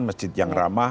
masjid yang ramah